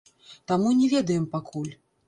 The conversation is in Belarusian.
Таму не ведаем пакуль.